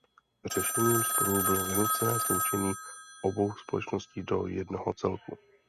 Řešením sporů bylo vynucené sloučení obou společností do jednoho celku.